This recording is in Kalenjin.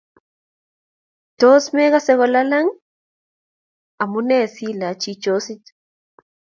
Tos mekase kolalang'?amune si lachii chosit